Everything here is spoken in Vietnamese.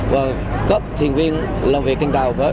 và các thiền viên làm việc trên tàu